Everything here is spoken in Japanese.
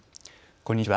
こんにちは。